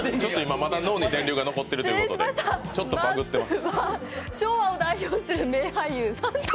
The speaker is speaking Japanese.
まだ脳に電流が流れているということで、バグってます。